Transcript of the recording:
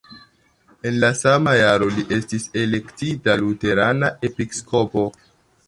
En la sama jaro li estis elektita luterana episkopo.